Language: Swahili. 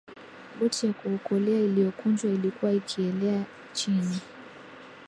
boti ya kuokolea iliyokunjwa ilikuwa ikielea chini